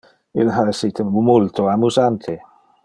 Il ha essite multo amusante.